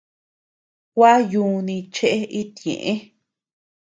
Gua yuuni cheʼe iti ñëʼe.